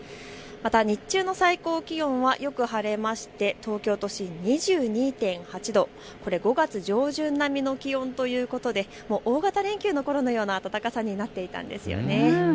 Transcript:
また日中の最高気温はよく晴れまして東京都心２２．８度、これ５月上旬並みの気温ということで大型連休のころのような暖かさになっていたんです。